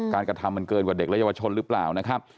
กระทำมันเกินกว่าเด็กและเยาวชนหรือเปล่านะครับ